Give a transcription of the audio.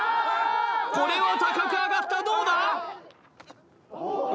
これは高く上がったどうだ？